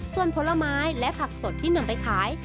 ส่วนผลไม้และผักสดที่นำไปขาย